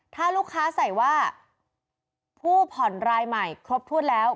ถ้าลูกค้าใส่ว่าผู้ผ่อนรายใหม่ครบถ้วนแล้ว